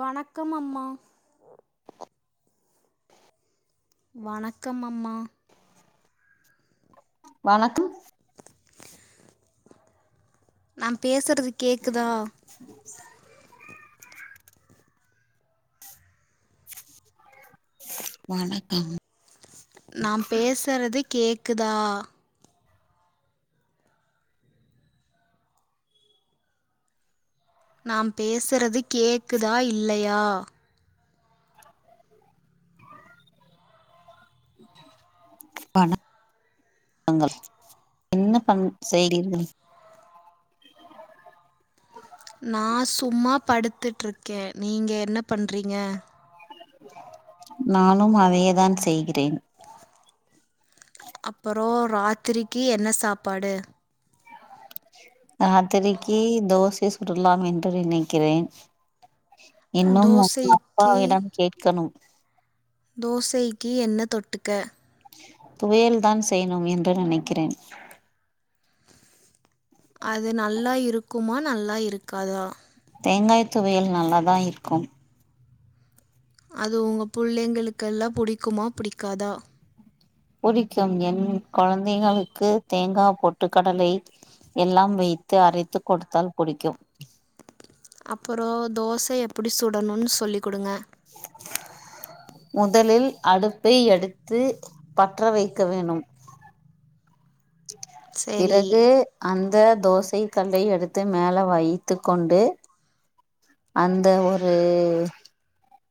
வணக்கம் அம்மா வணக்கம் அம்மா வணக்கம் நா பேசுறது கேக்குதா ம்ம் வணக்கம் நா பேசுறது கேக்குதா நா பேசுறது கேக்கு தா இல்லியா வணங் கள் என்ன பண்ண செய்தி நா சும்மா படுத்துட்டு்ருக்கே நீங்க என்ன பண்றிங்க நானும் அதே தான் செய்கிறேன் அப்புறோ ராத்திரிக்கு என்ன சாப்பாடு ராத்திரிக்கி தோசை சுடலாம் என்று நினைக்கிறேன் இன்னூம் உன் தோசைக்கு ப்பாவிடம் கேக்கணும் தோசைக்கி என்ன தொட்டுக்க துவையல் தான் செய்ணும் என்று நினைக்கிறேன் அது நல்லா இருக்குமா நல்லா இருக்காதா தேங்காய் துவையல் நல்லா தா இருக்கும் அது உங்க புள்ளைங்களுக் எல்லாம் புடிக்குமா புடிக்காத புடிக்கும் என் குழந்தைகளுக்கு தேங்கா பொட்டு கடலை எல்லாம் வைத்து அரைத்து கொடுத்தால் புடிக்கும் அப்பறோ தோசை எப்படி சுடணுமன்னு சொல்லி கொடுங்க முதலில் அடுப்பை எடுத்து பற்றவைக்க வேணும் சரி பிறகு அந்த தோசை கல்லை எடுத்து மேல வைத்து கொண்டு அந்த ஒரு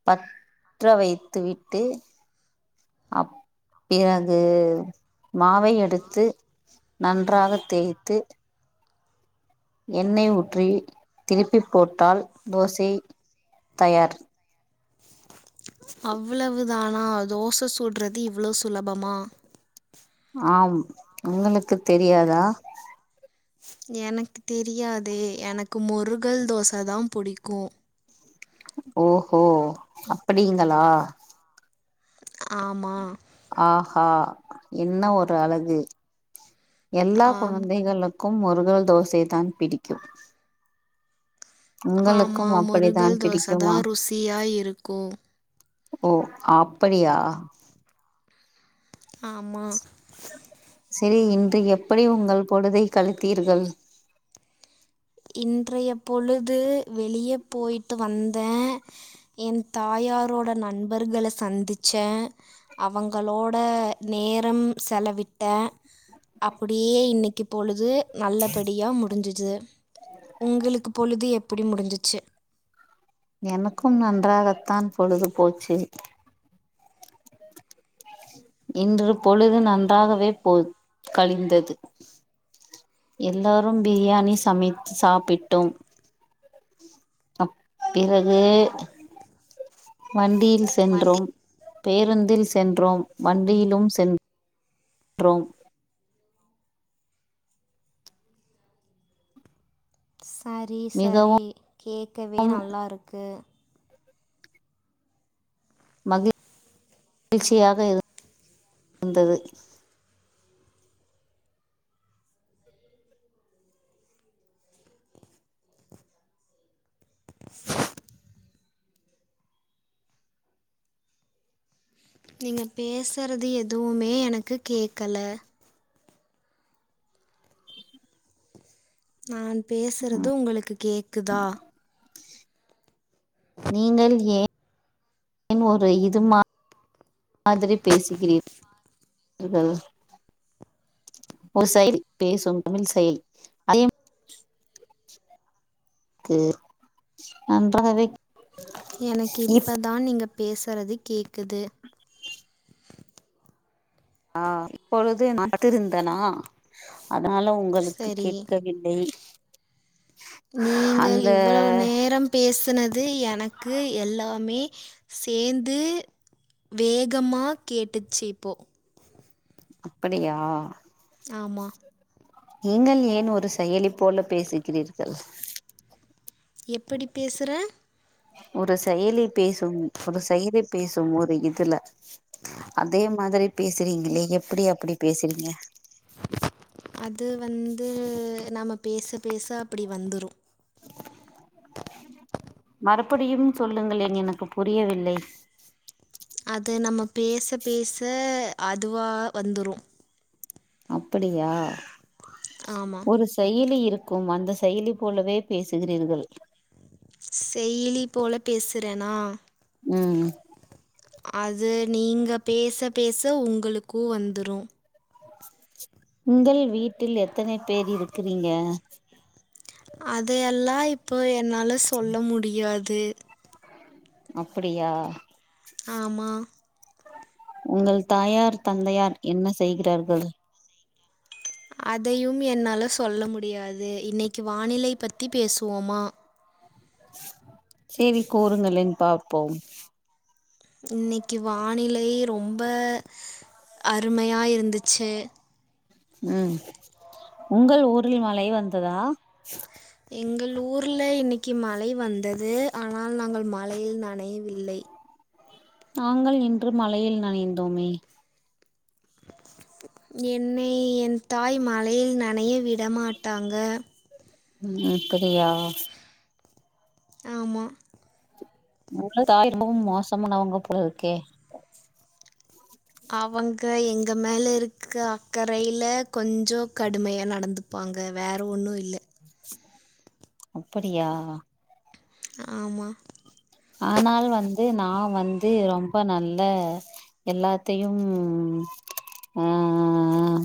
பற்ற வைத்து விட்டு அப் பிறகு மாவை எடுத்து நன்றாகத் தேய்த்து எண்ணெய் ஊற்றி திருப்பிப் போட்டால் தோசை தயார் அவ்வளவு தானா தோசை சூடுறது இவ்வளவு சுலபமா ஆம் உங்களுக்கு தெரியாதா எனக்கு தெரியாதே எனக்கு மொருகள் தோச தா புடிக்கு ஓ ஹோ அப்படிங்களா ஆமா ஆ ஹா என்ன ஒரு அழகு எல்லா ஆம் கொழந்தைகளுக் கும் மொருகல் தோசை தான் பிடிக்கு ஆமா மொருகல் அப்படித்தான் தோச தா பிடிக்குமா ருசியா இருக்கு ஓ அப்படியா ஆமா செரி இன்று எப்படி உங்கள் பொழுதை கழித்தீர்கள் இன்றைய பொழுது வெளிய போய்ட்டு வந்த என் தாயாரோட நண்பர்கள சந்திச்ச அவங்களோட நேரம் செல விட் ட அப்படியே இன்னைக்கு பொழுது நல்லபடியா முடிஞ்ஜது உங்ளுக்கு பொழுது எப்படி முடிஞ்சிச்சி எனக்கும் நன்றாக தான் பொழுது போச்சு இன்று பொழுது நன்றாகவே போ கழிந்தது எல்லாரும் பிரியாணி சமைத் சாப்பிட்டோம் அப் பிறகு வண்டியில் வண்டி சென்றோம் பேருந்தில் சென்றோம் வண்டியிலும் சென் றோம் சாரி சாரி மிகவும் கேக்கவே நல்லாருக்கு மகி ழ்ச்சியாக இரு ந்தது நீங்க பேசறது எதுவுமே எனக்கு கேக்கல நான் பேசறது உங்களுக்கு கேக்குதா நீங்கள் ஏன் ஒரு இதுமா மாதிரி பேசிகிறீர்கள் ஒரு செயல் பேசும் தமிழ் செயல் அதே கே நன்றாவே எனக்கு இப்ப தான் நீங்க பேசறது கேக்குது ஆ இப்பொழுது நடத்திருந்தனா அதனால உங்களுக்கு சரி கேக்கவில்லை நீங்கள் இவ்வளவு நேரம் பேசனது எனக்கு எல்லாமே சேந்து வேகமாக கேட்டுச்சி இப்போ அப்படியா ஆமா நீங்கள் ஏன் ஒரு செயலி போல பேசுகிறீர்கள் எப்படி பேசற ஒரு செயலி பேசும் ஒரு செயலி பேசும் ஒரு இதுல அதே மாதிரி பேசுறீங்களே எப்டி அப்டி பேசுறீங்க அது வந்து நாம பேச பேச அப்டி வந்துரு மறுபடியும் சொல்லுங்களேன் எனக்கு புரியவில்லை அது நம்ம பேச பேச அதுவா வந்துரு அப்டியா ஆமா ஒரு செயலி இருக்கும் அந்த செயலி போலவே பேசுகிறீர்கள் செயிலி போல பேசுறேனா ம் அது நீங்க பேச பேச உங்களுக்கு வந்துரு உங்கள் வீட்டில் எத்தனை பேர் இருக்கிறீங்க அதையெல்லா இப்போ என்னால சொல்ல முடியாது அப்டியா ஆமா உங்கள் தாயார் தந்தையார் என்ன செய்கிறார்கள் அதையும் என்னால சொல்ல முடியாது இன்னைக்கு வானிலை பத்தி பேசுவோமா சேரி கூறுங்களேன்னு பார்ப்போம் இன்னைக்கு வானிலை ரொம்ப அருமையா இருந்துச்சு ம் உங்கள் ஊரில் மழை வந்ததா எங்கள் ஊர்ல இன்னைக்கு மழை வந்தது ஆனால் நாங்கள் மழையில் நனையவில்லை நாங்கள் இன்று மலையில் நனைந்தோமே என்னை என் தாய் மழையில் நெனைய விடமாட்டாங்க ம் அப்டியா ஆமா உங்க வீட்ல தாய் ரொம்ப மோசமானவங்க போலயிருக்கே அவங்க எங்க மேல இருக்க அக்கறைல கொஞ்சோ கடுமையா நடந்து ப்பாங்க வேற ஒன்னு இல்ல அப்படியா ஆமா ஆனாலு வந்து நா வந்து ரொம்ப நல்ல எல்லாத்தையும் ஆ ஆ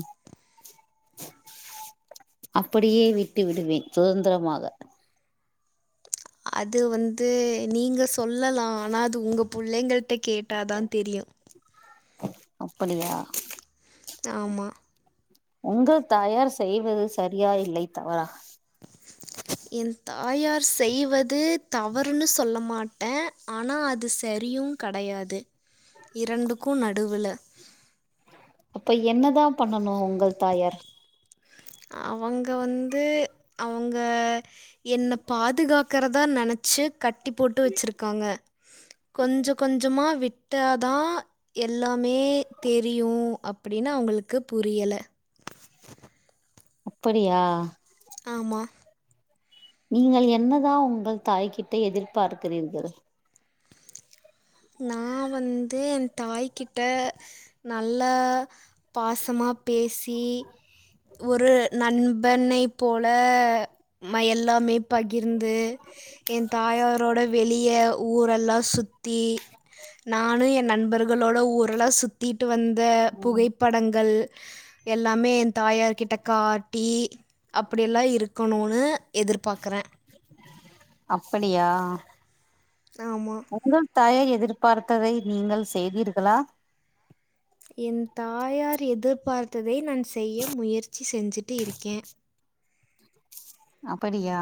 அப்பிடியே விட்டு விடுவேன் சுதந்திரமாக அது வந்து நீங்க சொல்லலா ஆனா அது உங்க புள்ளைங்கிட்ட கேட்டாதா தெரியு அப்படியா ஆமா உங்கள் தயார் செய்வது சரியா இல்லை தவறா என் தாயார் செய்வது தவறுன்னு சொல்ல மாட்டே ஆனால் அது சரியு கடையாது இரண்டுக்கு நடுவுல்ல அப்ப என்னதா பண்ணனு உங்கள் தாயார் அவங்க வந்து அவங்க என்ன பாதுகாக்கறதா நெனைச்சு கட்டி போட்டு வச்சிருக்காங்க கொஞ்சோ கொஞ்சமா விட்ட தா எல்லாமே தெரியு அப்டின்னு அவுங்களுக்கு புரியல அப்படியா ஆமா நீங்கள் என்னதா உங்கள் தாய்கிட்ட எதிர்பார்க்கிறீர்கள் நான் வந்து என் தாய்கிட்ட நல்லா பாசமா பேசி ஒரு நண்பனை போல ம எல்லாமே பகிர்ந்து என் தாயாரோட வெளியே ஊரெல்லாம் சுத்தி நானும் என் நண்பர்களோட ஊருலா சுத்திட்டு வந்த புகைப்படங்கள் எல்லாமே என் தாயார் கிட்ட காட்டி அப்படியெல்லாம் இருக்கணும்னு எதிர்பாக்கறன் அப்படியா ஆமா உங்கள் தாயார் எதிர்பார்த்ததை நீங்கள் செய்தீர்களா என் தாயார் எதிர்பார்த்ததை நான் செய்ய முயற்சி செஞ்சுட்டு இருக்கேன் அப்படியா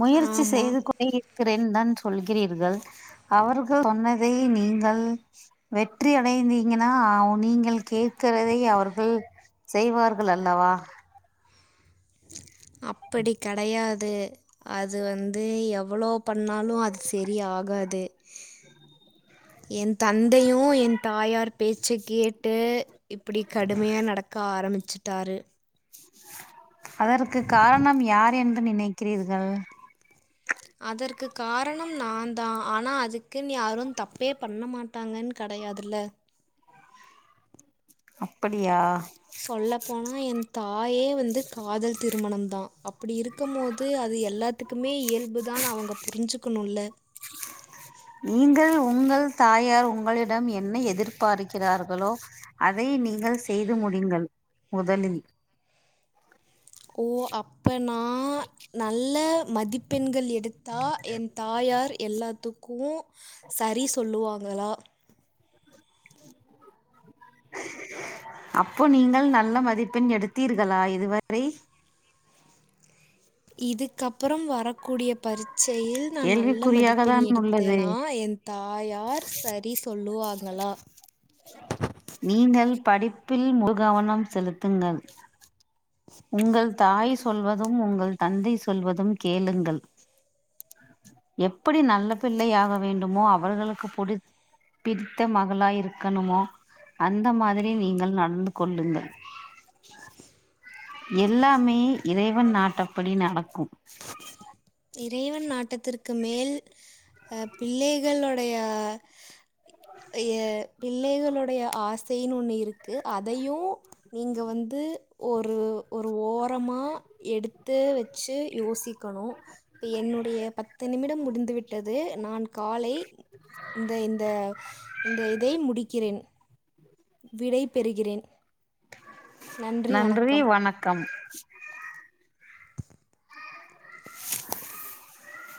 முயற்சி ஆமாம் செய்து கொண்டு இருக்கிறேன் தான் சொல்கிறீர்கள் அவர்கள் சொன்னதை நீங்கள் வெற்றி அடைந்தீங்கன்னா அ நீங்க நீங்கள் கேட்கிறதை அவர்கள் செய்வார்கள் அல்லவா அப்படி கடயாது அது வந்து எவ்வளோ பண்ணாலும் அது செரி ஆகாது என் தந்தையும் என் தாயார் பேச்ச கேட்டு இப்படி கடுமையா நடக்க ஆரம்பிச்சட்டாரு அதற்கு காரணம் யார் என்று நினைக்கிறீர்கள் அதற்கு காரணம் நான் தான் ஆனா அதுக்குன்னு யாரும் தப்பே பண்ண மாட்டா டாங்கனு கடையாதுல்ல அப்படியா சொல்ல போனா என் தாயே வந்து காதல் திருமணம் தான் அப்படி இருக்கு இருக்கும்போது அது எல்லாத்துக்குமே இயல்புதான் அவங்க புரிஞ்சுக்கணுல நீங்கள் உங்கள் தாயார் உங்களிடம் என்ன எதிர்பார்க்கிறார்களோ அதை நீங்கள் செய்து முடிங்கள் முதலில் ஓ அப்ப நா நல்ல மதிப்பெண்கள் எடு எடுத்தா என் தாயார் எல்லாத்துக்கும் சரி சொல்லுவாங்களா அப்போ நீங்கள் நல்ல மதிப்பெண் எடுத்தீர்களா இதுவரை இதுக்கப்புறம் வரக்கூடிய பரீட்சையில் நான் நல்ல மதிப்பெண் கேள்விக்குறியாகத்தான் உள்ளது எடுத்தேன்னா என் தாயார் சரி சொல்லுவாங்களா நீங்கள் படிப்பில் முழு கவனம் செலுத்துங்கள் உங்கள் தாய் சொல்வதும் உங்கள் தந்தை சொல்வதும் கேளுங்கள் எப்படி நல்ல பிள்ளை ஆக வேண்டுமோ அவர்களுக்கு புடிச் பிரித்த மகளா இருக்கணுமோ அந்த மாதிரி நீங்கள் நடந்து கொள்ளுங்கள் எல்லாமே இறைவன் நாட்டப்படி நடக்கும் இறைவன் நாட்டத்திற்கு மேல் அ பிள்ளைகளுடைய ய பிள்ளைகளுடைய ஆசைன்னு ஒண்ணு இருக்கு அதையும் நீங்க வந்து ஒரு ஒரு ஓரமா எடுத்து வச்சு யோசிக்கணும் இப்ப என்னுடைய பத்து நிமிடம் முடிந்து விட்டது நான் காலை இந்த இந்த இந்த இதை முடிக்கிறேன் விடை பெறுகிறேன் நன்றி வணக்கம்